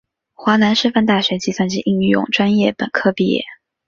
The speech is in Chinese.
华南师范大学计算机应用专业本科毕业。